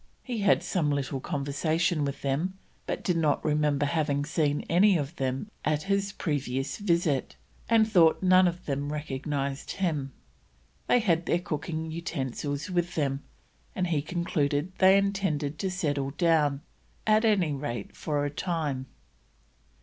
He had some little conversation with them, but did not remember having seen any of them at his previous visit, and thought none of them recognised him. They had their cooking utensils with them, and he concluded they intended to settle down, at any rate for a time.